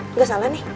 enggak salah nih